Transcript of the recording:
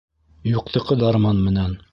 Юҡтыҡы дарман менән.